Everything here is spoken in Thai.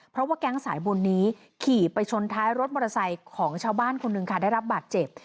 เพราะว่าแก๊งสายบุญนี้ขี่ไปชนท้ายรถมอเตอร์ไซค์ของชาวบ้านคนหนึ่งค่ะได้รับบาดเจ็บ